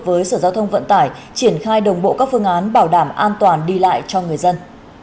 với sở giao thông vận tải triển khai đồng bộ các phương án bảo đảm an toàn đi lại cho người dân